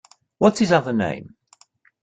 What’s his other name?